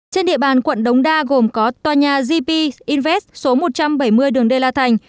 trên địa bàn quận đống đa gồm có tòa nhà gp invest số một trăm bảy mươi đường đê la thành